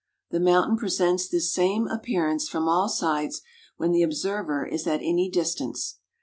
The mountain presents this same appearance from all sides when the observer is at any dis tance.